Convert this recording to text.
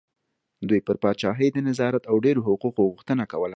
دوی پر پاچاهۍ د نظارت او ډېرو حقوقو غوښتنه کوله.